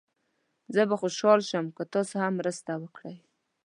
زه به خوشحال شم که تاسو هم مرسته وکړئ.